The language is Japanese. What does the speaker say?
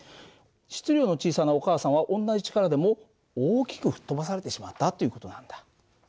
質量の小さなお母さんは同じ力でも大きく吹っ飛ばされてしまったっていう事なんだ。